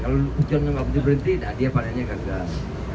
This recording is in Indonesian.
kalau hujannya tidak berhenti dia padannya gagal